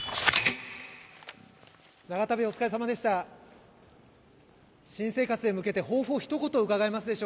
長旅お疲れさまでした。